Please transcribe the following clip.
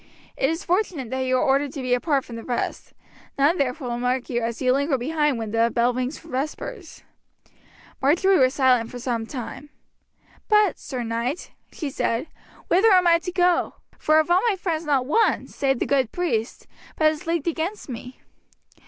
It is fortunate that you are ordered to be apart from the rest; none therefore will mark you as you linger behind when the bell rings for vespers." Marjory was silent for some time. "But, Sir Knight," she said, "whither am I to go? for of all my friends not one, save the good priest, but is leagued against me."